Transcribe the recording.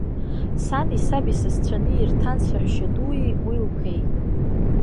Сани саби сасцәаны ирҭан саҳәшьадуи уи лԥеи.